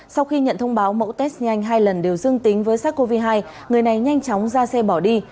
sau khi nhận thông báo mẫu test nhanh hai lần đều dương tính với sars cov hai người này nhanh chóng ra xe bỏ đi